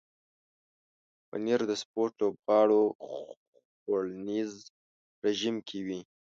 پنېر د سپورت لوبغاړو خوړنیز رژیم کې وي.